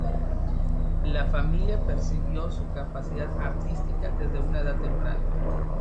La familia percibió su capacidad artística desde una edad temprana.